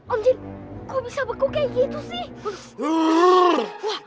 om jin kok bisa beku kayak gitu sih